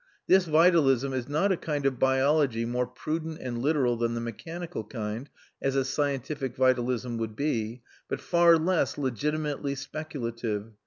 This vitalism is not a kind of biology more prudent and literal than the mechanical kind (as a scientific vitalism would be), but far less legitimately speculative.